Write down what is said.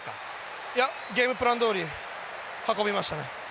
ゲームプランどおり運びましたね。